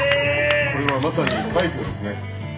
「これはまさに快挙ですね。